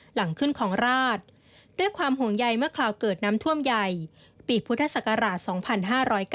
หลังขึ้นของราชด้วยความห่วงใยเมื่อคราวเกิดน้ำท่วมใหญ่ปีพุทธศักราช๒๕๐๙